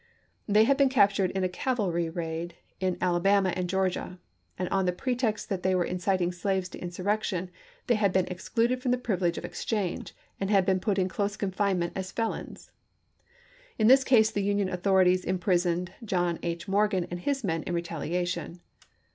They had been captured in a cavalry raid in Alabama and Georgia, and on the pretext that they were inciting slaves to insurrec tion, they had been excluded from the privilege of exchange, and had been put in close confinement as felons. In this case the Union authorities im prisoned John H. Morgan and his men in retaliation.